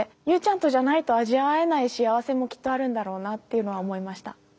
友ちゃんとじゃないと味わえない幸せもきっとあるんだろうなっていうのは思いました。